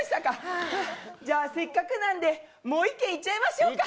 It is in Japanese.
じゃあせっかくなんでもう１軒いっちゃいましょうか。